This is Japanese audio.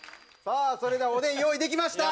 それではおでん用意できました。